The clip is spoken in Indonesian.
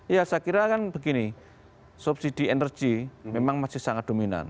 ya saya kira kan begini subsidi energi memang masih sangat dominan